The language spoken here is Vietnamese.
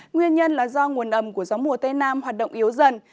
nguyên nhân là do nguồn ẩm của gió mùa tây nam hoạt động yếu dần